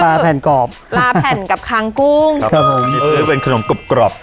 ปลาแผ่นกรอบปลาแผ่นกับคางกุ้งครับผมเออเป็นขนมกรอบกรอบ